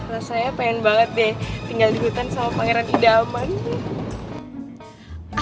rasanya pengen banget deh tinggal di hutan sama pangeran idaman